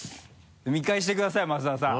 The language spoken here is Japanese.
見返してください増田さん。